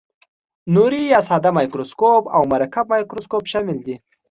نوري یا ساده مایکروسکوپ او مرکب مایکروسکوپ شامل دي.